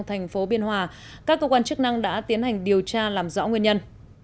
thành phố biên hòa các cơ quan chức năng đã tiến hành điều tra làm rõ nguyên nhân